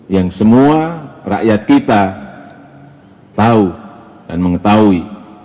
yang semua rakyat kita tahu dan mengetahui